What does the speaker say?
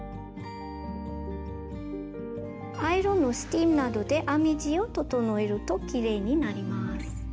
アイロンのスチームなどで編み地を整えるときれいになります。